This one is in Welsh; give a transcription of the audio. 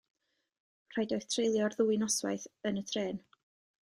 Rhaid oedd treulio'r ddwy noswaith yn y trên.